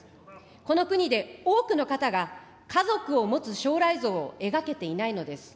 この国で多くの方が家族を持つ将来像を描けていないのです。